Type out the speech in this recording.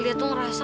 liat tuh ngerasa